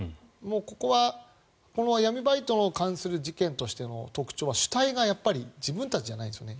ここは、この闇バイトに関する事件としての特徴は主体がやっぱり自分たちじゃないんですよね。